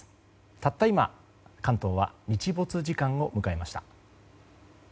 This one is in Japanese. たった今、関東は日没時間を迎えました。